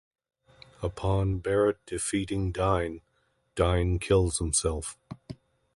Upon Barret defeating Dyne, Dyne kills himself.